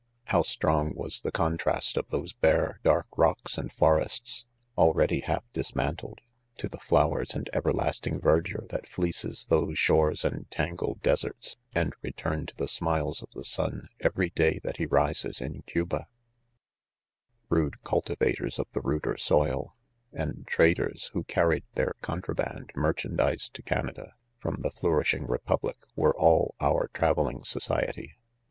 4 How strong was the contrast of those bare dark rocks and forests, already, half disman tled, 'to the flowers and everlasting verdure that fleeces those shores and tangled deserts, and return to the smiles of the sun, every day that he rises in Cuba I . 1 Rude cultivators of the ruder soil, and tra ders who carried their contraband merchan dize to Oanada ? from the flourishing republic, were all our travelling society.